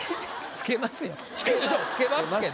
つけますけど。